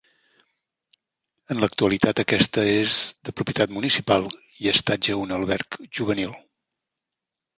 En l'actualitat aquesta és de propietat municipal i estatja un alberg juvenil.